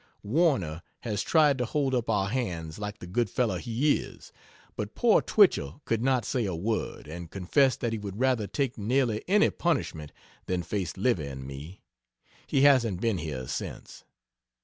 Warner has tried to hold up our hands like the good fellow he is, but poor Twichell could not say a word, and confessed that he would rather take nearly any punishment than face Livy and me. He hasn't been here since.